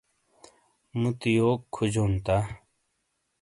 مُوتی یوک کھوجون تا ؟